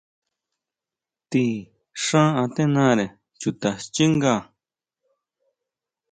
Ti xán atenare chuta xchinga.